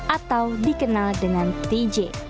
atau dikenal dengan tj